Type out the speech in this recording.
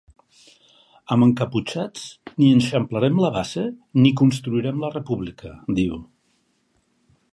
Amb encaputxats ni eixamplarem la base ni construirem la república, diu.